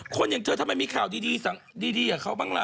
อย่างเธอทำไมมีข่าวดีกับเขาบ้างล่ะ